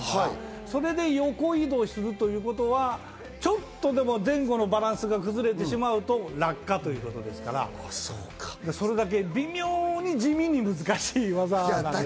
それで横移動するということは、ちょっとでも前後のバランスが崩れてしまうと落下ということですから、それだけ微妙に地味に難しい技なんです。